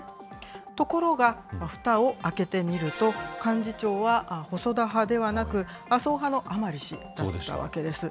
ところが、ふたを開けてみると、幹事長は細田派ではなく、麻生派の甘利氏だったわけです。